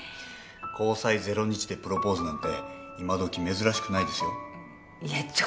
交際ゼロ日でプロポーズなんて今どき珍しくないですよ？